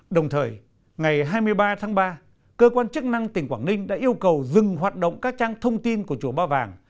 đồng thời ngày hai mươi ba tháng ba cơ quan chức năng tỉnh quảng ninh đã yêu cầu dừng hoạt động các trang thông tin của chùa ba vàng